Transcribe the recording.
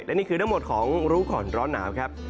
และนี่คือทั้งหมดของรู้ก่อนร้อนหนาวครับ